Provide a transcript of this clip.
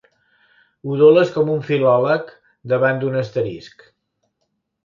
Udoles com un filòleg davant d'un asterisc.